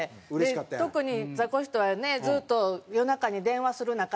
特にザコシとはねずっと夜中に電話する仲で長電話で。